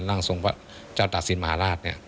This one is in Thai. ร่างทรงพระเจ้าตัสินมหาราช